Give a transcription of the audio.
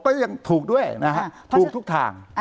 ก็ยังถูกด้วยนะฮะถูกทุกทาง